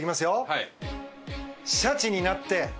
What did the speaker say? はい。